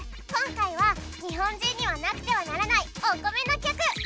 今回は日本人にはなくてはならないお米の曲。